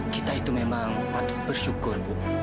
kita itu memang patut bersyukur